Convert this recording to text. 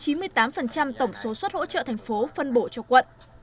chiếm chín mươi tám tổng số suất hỗ trợ thành phố phân bổ cho quận